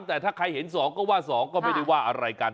แต่ถ้าใครเห็น๒ก็ว่า๒ก็ไม่ได้ว่าอะไรกัน